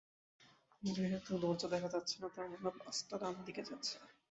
যেহেতু দরজা দেখা যাচ্ছে না, তার মানে বাসটা ডান দিকে যাচ্ছে।